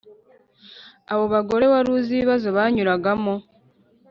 abo bagore wari uzi ibibazo yanyuragamo